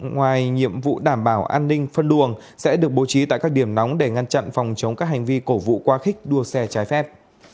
ngoài nhiệm vụ đảm bảo an ninh phân luồng sẽ được bố trí tại các điểm nóng để ngăn chặn phòng chống các hành vi cổ vụ quá khích đua xe trái phép